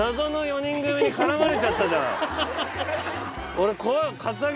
俺。